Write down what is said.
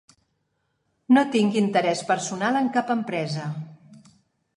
No tinc interès personal en cap empresa.